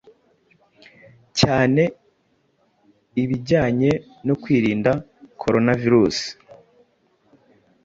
cyane ibijyanye no kwirinda Coronavirus